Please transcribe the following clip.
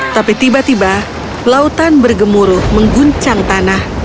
tapi tiba tiba lautan bergemuruh mengguncang tanah